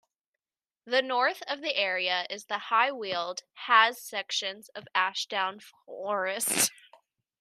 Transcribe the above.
The north of the area is the High Weald has sections of Ashdown Forest.